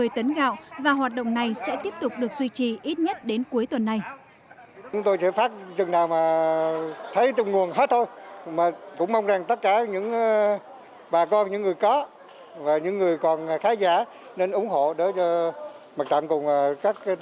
một mươi tấn gạo và hoạt động này sẽ tiếp tục được suy trì ít nhất đến cuối tuần này